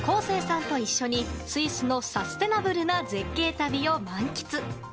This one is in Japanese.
生さんと一緒にスイスのサステナブルな絶景旅を満喫。